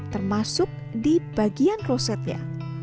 termasuk di bagian klosetnya